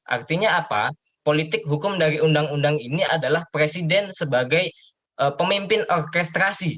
artinya apa politik hukum dari undang undang ini adalah presiden sebagai pemimpin orkestrasi